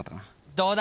どうだ！？